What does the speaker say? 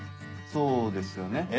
そうですよね。